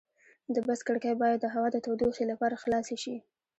د بس کړکۍ باید د هوا د تودوخې لپاره خلاصې شي.